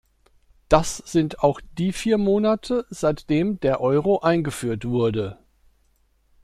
Das sind auch die vier Monate, seitdem der Euro eingeführt wurde.